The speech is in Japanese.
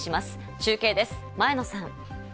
中継です、前野さん。